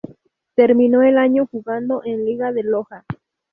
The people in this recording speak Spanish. Terminó el año jugando en Liga de Loja.